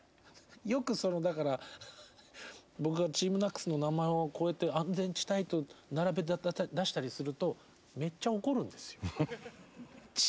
よく僕がＴＥＡＭＮＡＣＳの名前をこうやって安全地帯と並べて出したりするとめっちゃ怒るんですよ。